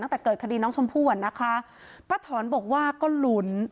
ตั้งแต่เกิดคดีน้องชมพู่อ่ะนะคะป้าถอนบอกว่าก็ลุ้น